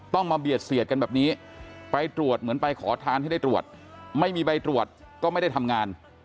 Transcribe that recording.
มาเบียดเสียดกันแบบนี้ไปตรวจเหมือนไปขอทานให้ได้ตรวจไม่มีใบตรวจก็ไม่ได้ทำงาน